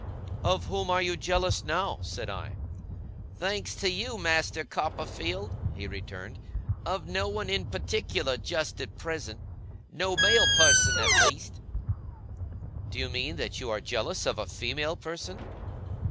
'Of whom are you jealous, now?' said I. 'Thanks to you, Master Copperfield,' he returned, 'of no one in particular just at present no male person, at least.' 'Do you mean that you are jealous of a female person?